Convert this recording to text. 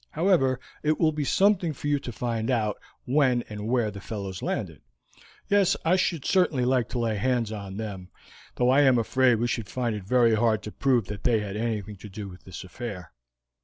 However, it will be something for you to find out when and where the fellows landed." "Yes; I should certainly like to lay hands on them, though I am afraid we should find it very hard to prove that they had anything to do with this affair."